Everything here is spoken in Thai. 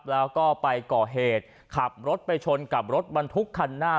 แล้วก็ไปก่อเหตุขับรถไปชนกับรถบรรทุกคันหน้า